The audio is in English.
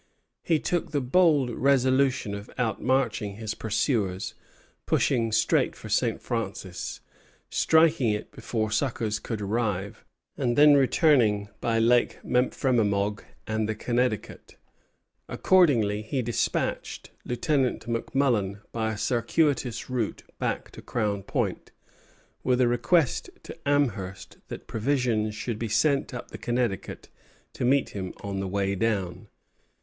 He took the bold resolution of outmarching his pursuers, pushing straight for St. Francis, striking it before succors could arrive, and then returning by Lake Memphremagog and the Connecticut. Accordingly he despatched Lieutenant McMullen by a circuitous route back to Crown Point, with a request to Amherst that provisions should be sent up the Connecticut to meet him on the way down.